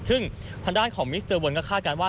ซึ่งทางด้านของมิสเตอร์เวิร์นก็คาดการณ์ว่า